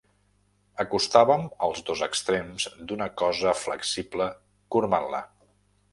Acostàvem els dos extrems d'una cosa flexible corbant-la.